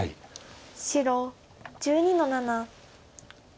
白１２の七。